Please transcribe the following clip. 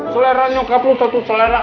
selera nyokap satu selera